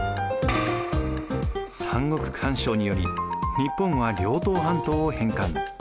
三国干渉により日本は東半島を返還。